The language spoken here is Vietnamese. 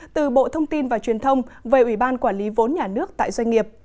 từ bộ thông tin và truyền thông về ủy ban quản lý vốn nhà nước tại doanh nghiệp